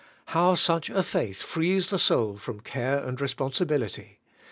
How such a faith frees the soul from care and responsi bility!